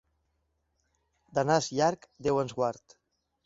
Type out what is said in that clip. De nas llarg Déu ens guard.